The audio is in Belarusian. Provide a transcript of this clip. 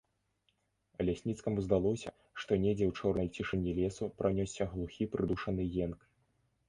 Лясніцкаму здалося, што недзе ў чорнай цішыні лесу пранёсся глухі прыдушаны енк.